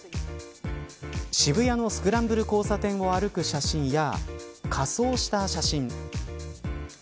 渋谷のスクランブル交差点を歩く写真や仮装した写真。